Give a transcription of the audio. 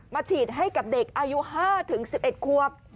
ฉีดให้กับเด็กอายุ๕๑๑ควบ